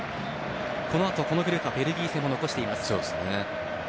このあと、このグループはベルギー戦も残しています。